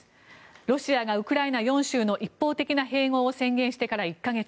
ロシアがウクライナ４州の一方的な併合を宣言してから１か月。